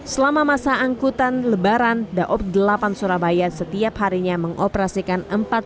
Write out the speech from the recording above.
selama masa angkutan lebaran daob delapan surabaya setiap harinya mengoperasikan empat puluh kereta